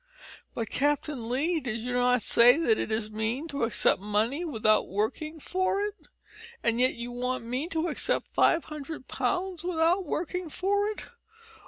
"But Captain Lee, did you not say that it is mean to accept money without working for it, and yet you want me to accept five hundred pounds without working for it?"